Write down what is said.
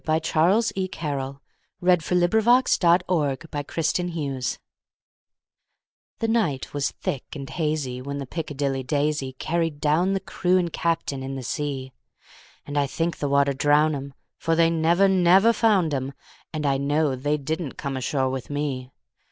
1919. Charles E. Carryl1841–1920 Robinson Crusoe's Story THE NIGHT was thick and hazyWhen the "Piccadilly Daisy"Carried down the crew and captain in the sea; And I think the water drowned 'em; For they never, never found 'em, And I know they didn't come ashore with me.